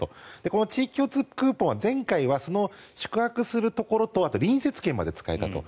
この地域共通クーポンは前回は宿泊するところと隣接県まで使えたと。